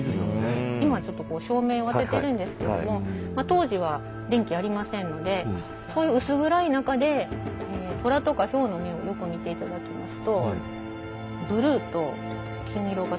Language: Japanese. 今はちょっとこう照明を当ててるんですけども当時は電気ありませんのでそういう薄暗い中でトラとかヒョウの目をよく見て頂きますとほんとだ。